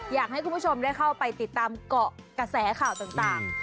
อยากให้คุณผู้ชมได้เข้าไปติดตามเกาะกระแสข่าวต่าง